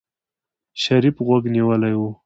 شريف غوږ نيولی و.